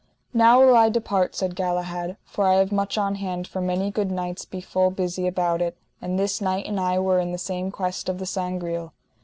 Now will I depart, said Galahad, for I have much on hand, for many good knights be full busy about it, and this knight and I were in the same quest of the Sangreal.